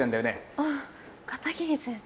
ああ片桐先生。